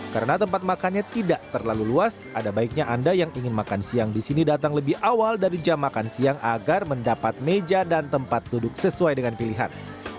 karena tempat makannya tidak terlalu luas ada baiknya anda yang ingin makan siang di sini datang lebih awal dari jam makan siang agar mendapat meja dan tempat duduk sesuai dengan pilihan